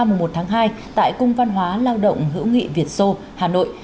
mùng một tháng hai tại cung văn hóa lao động hữu nghị việt sô hà nội